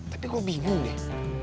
tapi gue bingung deh